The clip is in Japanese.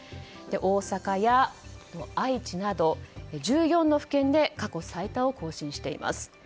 大阪や愛知など１４の府県で過去最多を更新しています。